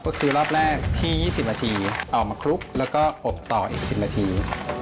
ก็คือรอบแรกที่๒๐นาทีเอามาคลุกแล้วก็อบต่ออีก๑๐นาที